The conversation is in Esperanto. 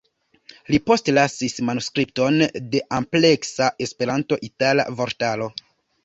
Li postlasis manuskripton de ampleksa Esperanto-itala vortaro.